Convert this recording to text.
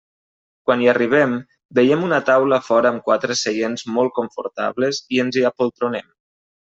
Quan hi arribem, veiem una taula a fora amb quatre seients molt confortables i ens hi apoltronem.